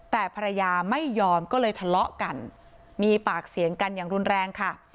แต่ภรรยาไม่ยอมก็เลยทะเลาะกันมีปากเสียงกันอย่างรุนแรงค่ะ